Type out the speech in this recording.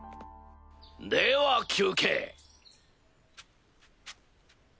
では休憩。